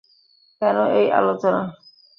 কেন এই আলোচনা?